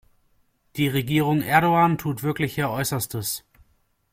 Die Regierung Erdogan tut wirklich ihr Äußerstes.